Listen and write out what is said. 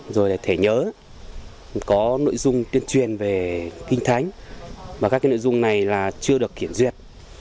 rồi thể nhớ có nội dung tuyên truyền về kinh thánh và các nội dung này chưa được kiển duyệt